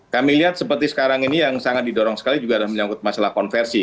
kami lihat seperti sekarang ini yang sangat didorong sekali juga adalah menyangkut masalah konversi